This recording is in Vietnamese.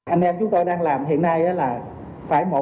anh em chúng tôi đang làm hiện nay là phải một